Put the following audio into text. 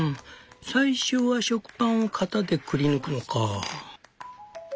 最初は食パンを型でくりぬくのか」。